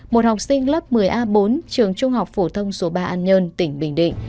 một học sinh lớp một mươi a bốn trường trung học phổ thông số ba an nhơn tỉnh bình định